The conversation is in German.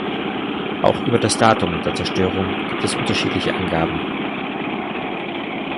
Auch über das Datum der Zerstörung gibt es unterschiedliche Angaben.